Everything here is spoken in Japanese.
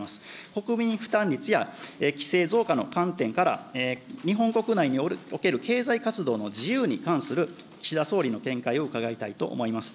国民負担率や規制増加の観点から、日本国内における経済活動の自由に関する岸田総理の見解を伺いたいと思います。